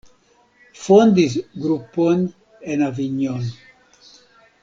Fondis grupon en Avignon.